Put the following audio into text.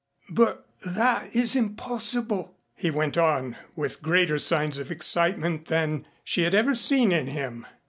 "But that is impossible," he went on, with greater signs of excitement than she had ever seen in him.